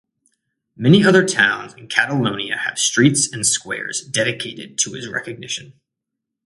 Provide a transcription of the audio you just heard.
Many other towns in Catalonia have streets and squares dedicated to his recognition.